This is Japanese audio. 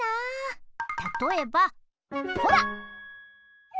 たとえばほら！